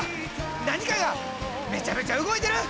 何かがめっちゃめちゃ動いてる！